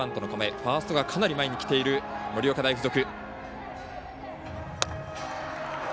ファーストがかなり前に来ている盛岡大付属。